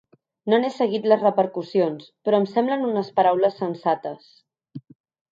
No n’he seguit les repercussions, però em semblen unes paraules sensates.